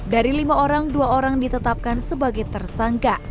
dari lima orang dua orang ditetapkan sebagai tersangka